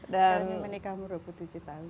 dan menikah dua puluh tujuh tahun